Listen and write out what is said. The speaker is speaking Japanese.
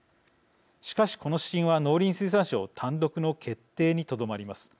しかし、この指針は農林水産省単独の決定にとどまります。